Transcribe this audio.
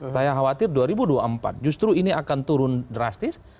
saya khawatir dua ribu dua puluh empat justru ini akan turun drastis